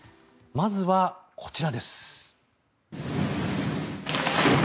まずはこちらです。